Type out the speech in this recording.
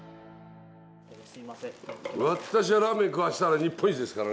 私はラーメン食わしたら日本一ですからね。